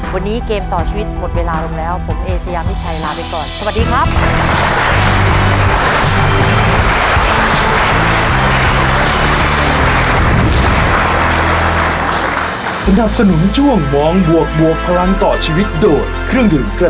วันนี้เกมต่อชีวิตหมดเวลาลงแล้วผมเอเชยามิชัยลาไปก่อนสวัสดีครับ